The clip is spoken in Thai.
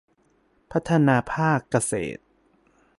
พัฒนาภาคเกษตร